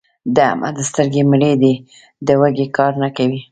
د احمد سترګې مړې دي؛ د وږي کار نه کوي.